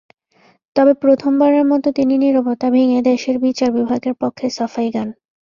তবে প্রথমবারের মতো তিনি নীরবতা ভেঙে দেশের বিচার বিভাগের পক্ষে সাফাই গান।